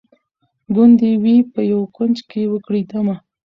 ګوندي وي په یوه کونج کي وکړي دمه